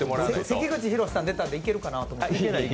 関口宏さん出たんでいけるかなって。